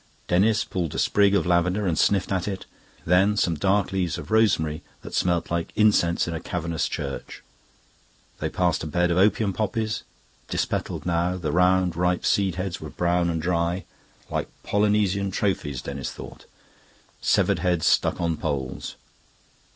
Denis pulled a sprig of lavender and sniffed at it; then some dark leaves of rosemary that smelt like incense in a cavernous church. They passed a bed of opium poppies, dispetaled now; the round, ripe seedheads were brown and dry like Polynesian trophies, Denis thought; severed heads stuck on poles.